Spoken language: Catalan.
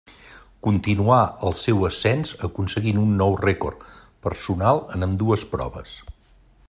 Continuà el seu ascens aconseguint un nou rècord personal en ambdues proves.